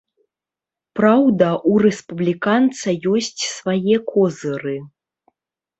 Праўда, у рэспубліканца ёсць свае козыры.